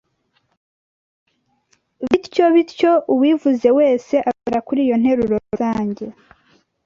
Bityobityo uwivuze wese agahera kuri iyo nteruro rusange